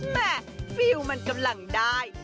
ฟิลล์มันกำลังได้